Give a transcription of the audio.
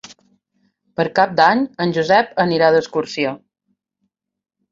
Per Cap d'Any en Josep anirà d'excursió.